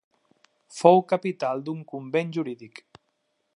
Fou capital d'un convent jurídic.